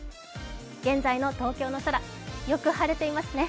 現在の東京の空、よく晴れていますね。